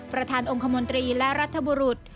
ประธานองค์คมนตรีและรัฐบุรุษ